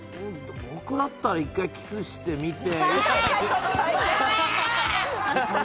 僕だったら、１回キスしてみて。